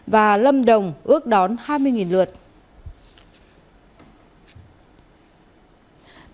và lâm đồng ước đón hai mươi lượt